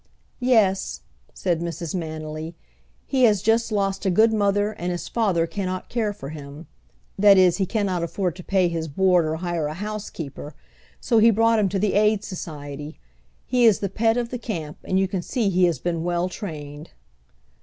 "Yes," said Mrs. Manily, "he has just lost a good mother and his father cannot care for him that is, he cannot afford to pay his board or hire a housekeeper, so he brought him to the Aid Society. He is the pet of the camp, and you can see he has been well trained."